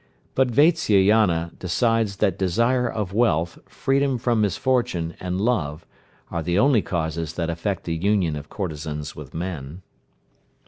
But Vatsyayana decides that desire of wealth, freedom from misfortune, and love, are the only causes that affect the union of courtesans with men.